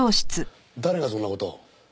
誰がそんな事を？